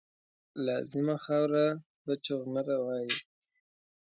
لازما خاوره به چونغره وایي